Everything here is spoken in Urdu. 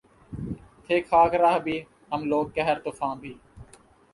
تھے خاک راہ بھی ہم لوگ قہر طوفاں بھی